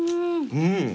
うん。